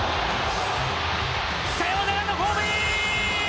サヨナラのホームイン！